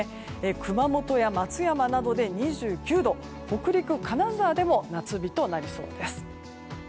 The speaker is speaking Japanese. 熊本や松山などで２９度北陸、金沢でも夏日となりそうです。